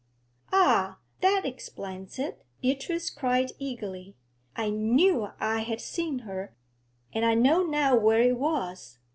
'Ah, that explains it,' Beatrice cried eagerly. 'I knew I had seen her, and I know now where it was.